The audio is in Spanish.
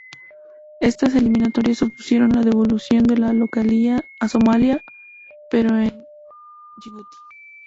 Estas eliminatorias supusieron la devolución de la localía a Somalia, pero en Yibuti.